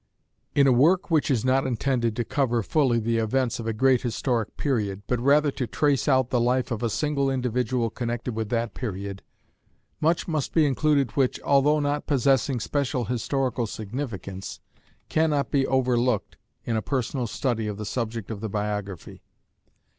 In a work which is not intended to cover fully the events of a great historic period, but rather to trace out the life of a single individual connected with that period, much must be included which, although not possessing special historical significance, cannot be overlooked in a personal study of the subject of the biography.